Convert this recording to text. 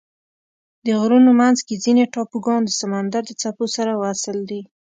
د غرونو منځ کې ځینې ټاپوګان د سمندر د څپو سره وصل دي.